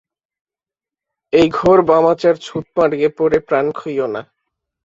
এই ঘোর বামাচার ছুঁৎমার্গে পড়ে প্রাণ খুইও না।